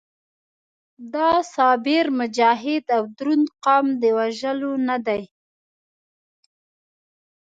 دا صابر، مجاهد او دروند قام د وژلو نه دی.